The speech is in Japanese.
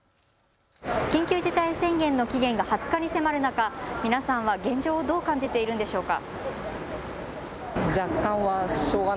緊急事態宣言の期限が２０日に迫る中、皆さんは現状をどう感じているんでしょうか。